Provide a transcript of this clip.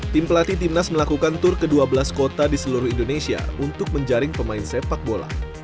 tim pelatih timnas melakukan tur ke dua belas kota di seluruh indonesia untuk menjaring pemain sepak bola